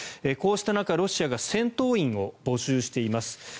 こうした中ロシアが戦闘員を募集しています